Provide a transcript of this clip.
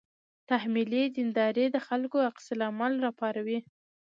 تحمیلي دینداري د خلکو عکس العمل راپاروي.